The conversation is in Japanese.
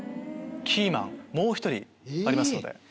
キーマンもう１人ありますので。